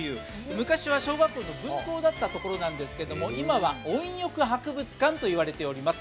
昔は小学校の分校だったところなんですが、今は音浴博物館と言われております。